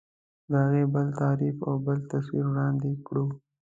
د هغې بل تعریف او بل تصویر وړاندې کړو.